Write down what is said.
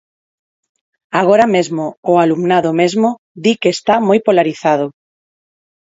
Agora mesmo o alumnado mesmo di que está moi polarizado.